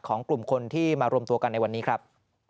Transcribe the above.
กลุ่มคนที่มารวมตัวกันในวันนี้ครับ